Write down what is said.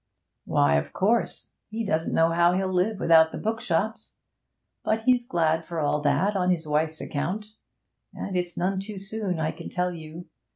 'Why, of course, he doesn't know how he'll live without the bookshops. But he's glad for all that, on his wife's account. And it's none too soon, I can tell you.